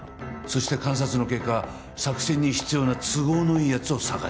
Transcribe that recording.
そして観察の結果作戦に必要な都合のいい奴を探し出した。